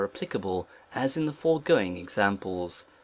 applicable as in the "foregoing examples.